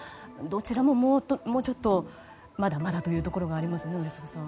どちらももうちょっとまだまだということがありますね、宜嗣さん。